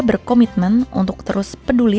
berkomitmen untuk terus peduli